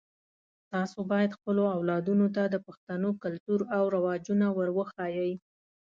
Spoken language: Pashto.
تاسو باید خپلو اولادونو ته د پښتنو کلتور او رواجونه ور وښایئ